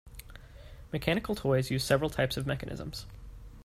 Mechanical toys use several types of mechanisms.